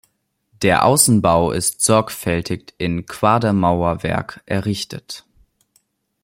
Der Außenbau ist sorgfältig in Quadermauerwerk errichtet.